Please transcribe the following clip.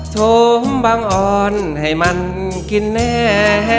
ชมบังอ่อนให้มันกินแน่